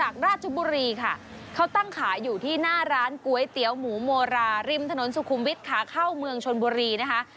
ราชบุรีค่ะเขาตั้งขายอยู่ที่หน้าร้านก๋วยเตี๋ยวหมูโมราริมถนนสุขุมวิทย์ขาเข้าเมืองชนบุรีนะคะ